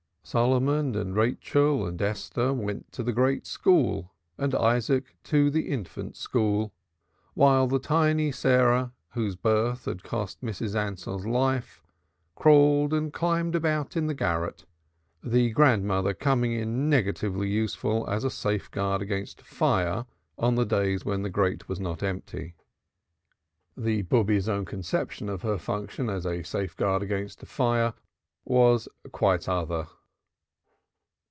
Solomon and Rachel and Esther went to the great school and Isaac to the infant school, while the tiny Sarah, whose birth had cost Mrs. Ansell's life, crawled and climbed about in the garret, the grandmother coming in negatively useful as a safeguard against fire on the days when the grate was not empty. The Rube's own conception of her function as a safeguard against fire was quite other.